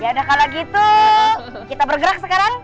ya udah kalau gitu kita bergerak sekarang